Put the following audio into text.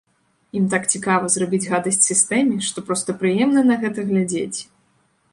Ім так цікава зрабіць гадасць сістэме, што проста прыемна на гэта глядзець.